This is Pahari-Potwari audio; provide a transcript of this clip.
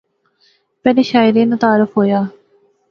پہلے شاعریں ناں تعارف ہویا